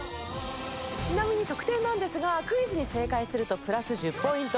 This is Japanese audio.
ちなみに得点なんですがクイズに正解するとプラス１０ポイント